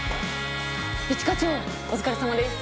一課長お疲れさまです。